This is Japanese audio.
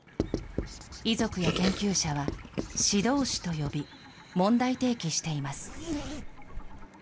遺族や研究者は、指導死と呼び、問題提起しています。